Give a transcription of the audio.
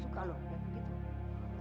suka lo ya begitu